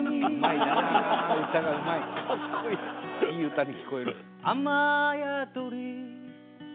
いい歌に聴こえる。